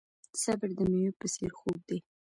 صبر د میوې په څیر خوږ دی.